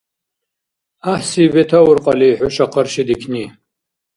ГӀяхӀси бетаур кьалли хӀуша къаршидикни.